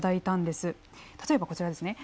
例えばこちらですね